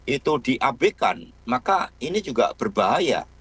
itu diabekan maka ini juga berbahaya